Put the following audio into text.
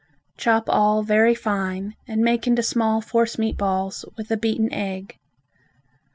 Chop all very fine and make into small force meat balls with a beaten egg.